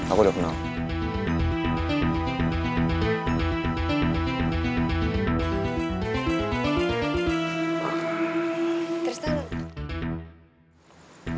aku udah kenal